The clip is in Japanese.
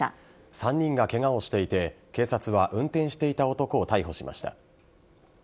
３人がケガをしていて警察は運転していた男を逮捕しました。